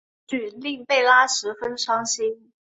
此举令贝拉十分伤心。